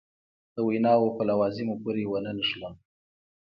د ویناوو په لوازمو پورې ونه نښلم.